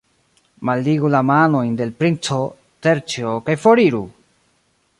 Malligu la manojn de l' princo, Terĉjo, kaj foriru!